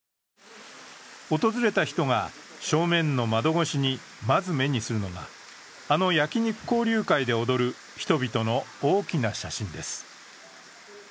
訪れた人が正面の窓越しにまず目にするのが、あの焼肉交流会で踊る人々の大きな写真です。